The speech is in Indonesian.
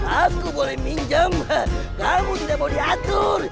aku boleh minjem kamu tidak boleh atur